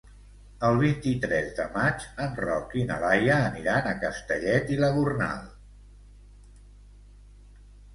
El vint-i-tres de maig en Roc i na Laia aniran a Castellet i la Gornal.